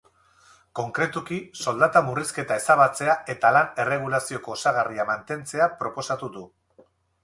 Konkretuki, soldata murrizketa ezabatzea eta lan-erregulazioko osagarria mantentzea proposatu du.